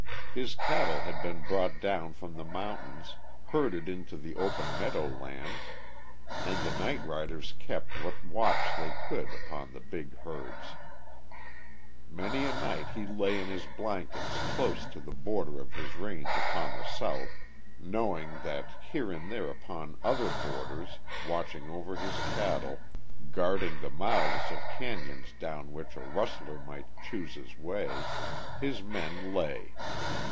His cattle had been brought down from the mountains, herded into the open meadow lands, and the night riders kept what watch they could upon the big herds. Many a night he lay in his blankets close to the border of his range upon the south, knowing that here and there upon other borders, watching over his cattle, guarding the mouths of cañons down which a rustler might choose his way, his men lay.